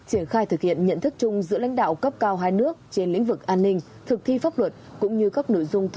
triển khai thực hiện nhận thức chung